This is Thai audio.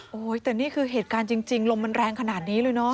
โอ้โหแต่นี่คือเหตุการณ์จริงลมมันแรงขนาดนี้เลยเนอะ